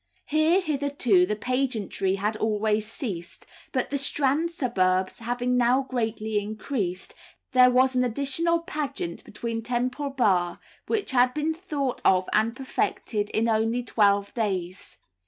Here, hitherto, the pageantry had always ceased, but the Strand suburbs having now greatly increased, there was an additional pageant beyond Temple Bar, which had been thought of and perfected in only twelve days.